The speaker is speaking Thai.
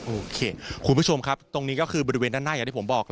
โอเคคุณผู้ชมครับตรงนี้ก็คือบริเวณด้านหน้าอย่างที่ผมบอก